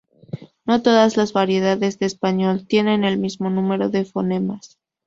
No todas las variedades de español tienen el mismo número de fonemas.